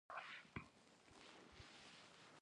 د افغانستان ولايتونه د افغانستان د طبیعي پدیدو یو رنګ دی.